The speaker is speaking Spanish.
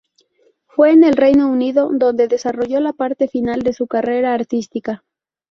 Fue en el Reino Unido donde desarrolló la parte final de su carrera artística.